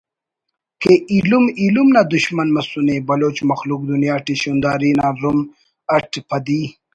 کہ ایلم ایلم نا دشمن مسنے بلوچ مخلوق دنیا ٹی شونداری نا رُم اٹ پدی